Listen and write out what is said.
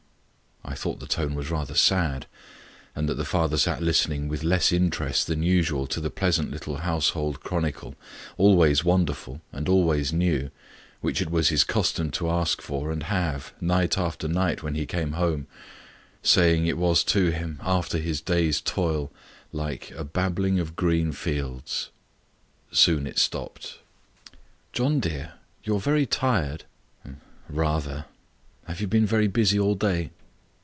I thought the tone was rather sad, and that the father sat listening with less interest than usual to the pleasant little household chronicle, always wonderful and always new, which it was his custom to ask for and have, night after night, when he came home, saying it was to him, after his day's toil, like a "babbling o' green fields." Soon it stopped. "John dear, you are very tired?" "Rather." "Have you been very busy all day?"